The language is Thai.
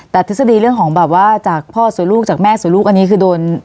แต่ทฤษฎีเรื่องของแบบว่าจากพ่อสวยลูกจากแม่สวยลูกอันนี้คือโดน